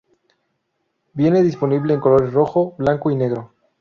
Viene disponible en colores rojo, blanco y negro.